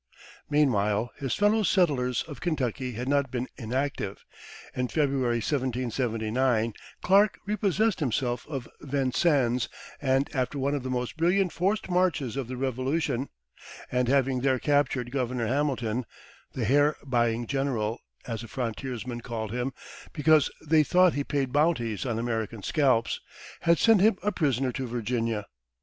Meanwhile, his fellow settlers of Kentucky had not been inactive. In February (1779) Clark repossessed himself of Vincennes after one of the most brilliant forced marches of the Revolution; and having there captured Governor Hamilton the "hair buying general," as the frontiersmen called him, because they thought he paid bounties on American scalps had sent him a prisoner to Virginia.